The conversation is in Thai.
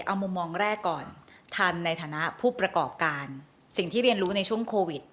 เอามุมมองแรกก่อนทันในฐานะผู้ประกอบการสิ่งที่เรียนรู้ในช่วงโควิด